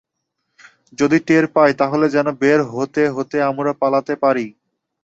যদি টের পায় তাহলে যেন বের হতে হতে আমরা পালাতে পারি।